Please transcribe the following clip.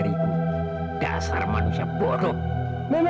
dipukuli memangnya kenapa